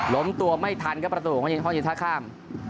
ตัวไม่ทันครับประตูของยิงห้องเย็นท่าข้าม